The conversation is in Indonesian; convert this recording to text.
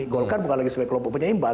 golkar bukan lagi sebagai kelompok penyeimbang